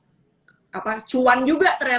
bisa di upload di youtube ya